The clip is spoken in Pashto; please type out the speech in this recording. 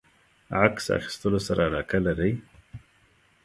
عکس اخیستلو سره علاقه لری؟